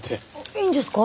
いいんですか？